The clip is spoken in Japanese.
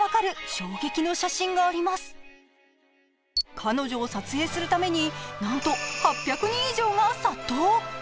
彼女を撮影するためになんと８００人以上が殺到。